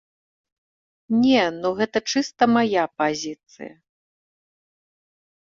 Не, ну гэта чыста мая пазіцыя.